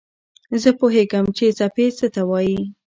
زه پوهېږم چې څپې څه ته وايي.